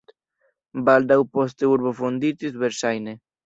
Baldaŭ poste urbo fonditis verŝajne.